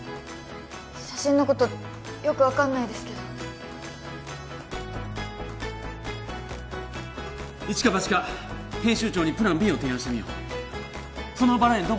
写真のことよく分かんないですけどイチかバチか編集長にプランＢを提案してみようそのバラ園